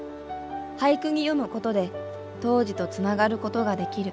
俳句に詠むことで当時とつながることができる。